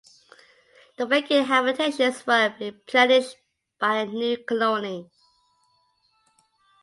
The vacant habitations were replenished by a new colony.